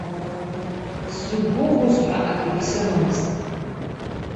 Сзықәгәыӷуаз ҳәа акгьы сымамызт.